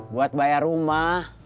buat bayar rumah